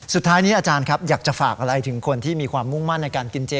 สุดท้ายนี้อาจารย์ครับอยากจะฝากอะไรถึงคนที่มีความมุ่งมั่นในการกินเจ